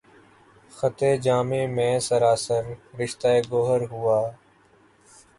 خطِ جامِ مے سراسر، رشتہٴ گوہر ہوا